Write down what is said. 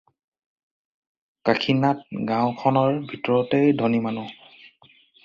কাশীনাথ গাঁওখনৰ ভিতৰতে ধনী মানুহ।